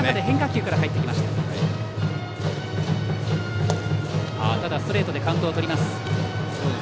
ただ、ストレートでカウントをとります。